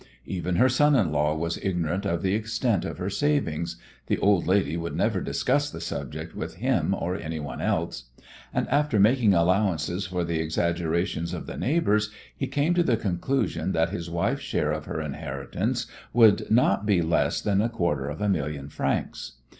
Even her son in law was ignorant of the extent of her savings the old lady would never discuss the subject with him or anyone else and, after making allowances for the exaggerations of the neighbours, he came to the conclusion that his wife's share of her inheritance would not be less than a quarter of a million francs.